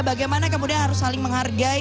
bagaimana kemudian harus saling menghargai